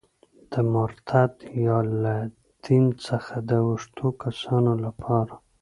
د مرتد یا له دین څخه د اوښتو کسانو لپاره.